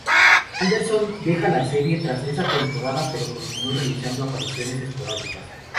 Anderson dejó la serie tras esa temporada, pero continuó realizando apariciones esporádicas.